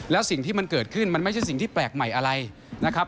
แล้วสิ่งที่มันเกิดขึ้นมันไม่ใช่สิ่งที่แปลกใหม่อะไรนะครับ